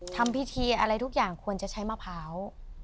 ทำพิธีอะไรทุกอย่างควรจะใช้มะพร้าว